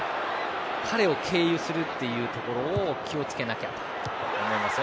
彼を経由するというところを気をつけなきゃと思います。